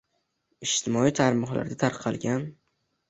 Ijtimoiy tarmoqlarda tarqalgan